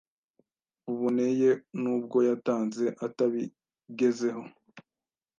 buboneye nubwo yatanze atabigezeho.